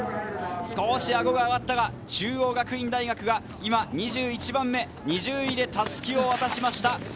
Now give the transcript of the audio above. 少しあごが上がったが、中央学院大学が今、２１番目、２０位で襷を渡しました。